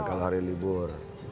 kalau hari libur